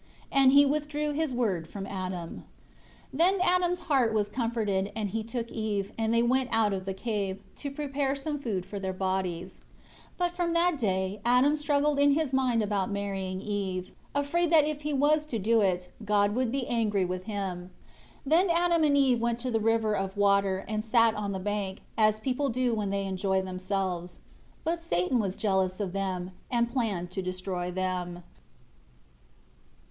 10 And He withdrew His Word from Adam. 11 Then Adam's heart was comforted; and he took Eve, and they went out of the cave, to prepare some food for their bodies. 12 But from that day Adam struggled in his mind about his marrying Eve; afraid that if he was to do it, God would be angry with him. 13 Then Adam and Eve went to the river of water, and sat on the bank, as people do when they enjoy themselves. 14 But Satan was jealous of them; and planned to destroy them.